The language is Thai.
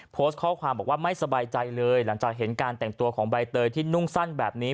โพสต์ข้อความบอกว่าไม่สบายใจเลยหลังจากเห็นการแต่งตัวของใบเตยที่นุ่งสั้นแบบนี้